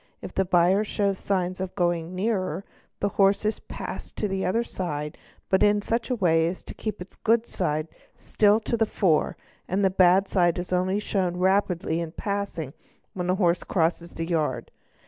If the buyer shows signs of going nearer, the horse is — passed to the other side but in such a way as to keep its good side still to the fore; the bad side is only shown rapidly in passing when the horse ~ crosses the yard.